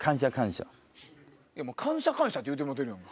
「感謝感謝」って言ってもうてるやんか。